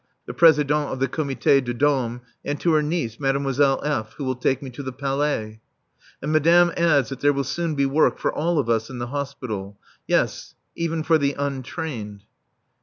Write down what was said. the Présidente of the Comité des Dames, and to her niece, Mademoiselle F., who will take me to the Palais. And Madame adds that there will soon be work for all of us in the Hospital. Yes: even for the untrained.